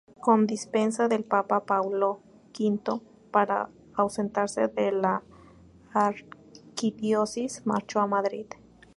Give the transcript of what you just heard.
Con dispensa del papa Paulo V para ausentarse de la archidiócesis, marchó a Madrid.